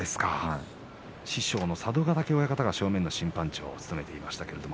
師匠の佐渡ヶ嶽親方が正面の審判長でした。